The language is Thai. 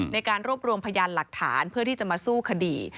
ในการรวบรวมพยานหลักฐานเพื่อที่จะมาสู้คดี